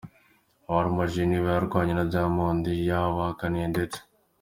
Abamubajije niba yararyamanye na Diamond yabahakaniye ndetse